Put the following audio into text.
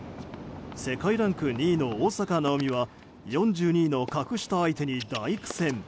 世界ランク２位の大坂なおみは４２位の格下相手に大苦戦。